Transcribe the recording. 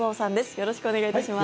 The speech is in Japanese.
よろしくお願いします。